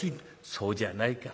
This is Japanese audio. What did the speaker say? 「そうじゃないか。